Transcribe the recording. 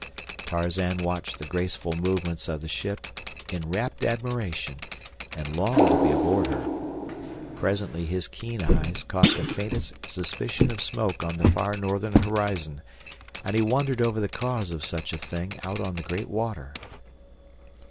Tarzan watched the graceful movements of the ship in rapt admiration, and longed to be aboard her. Presently his keen eyes caught the faintest suspicion of smoke on the far northern horizon, and he wondered over the cause of such a thing out on the great water.